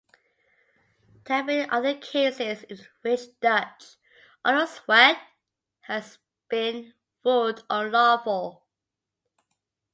There have been other cases in which Dutch "Auteurswet" has been ruled unlawful.